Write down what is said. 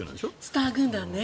スター軍団ね。